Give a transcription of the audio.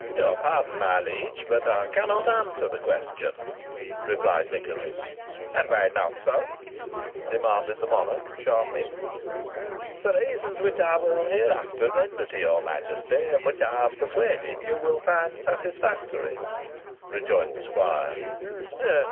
"Your pardon, my liege, but I cannot answer the question," replied Nicholas. "And why not, sir?" demanded the monarch, sharply. "For reasons I will hereafter render to your Majesty, and which I am persuaded you will find satisfactory," rejoined the squire.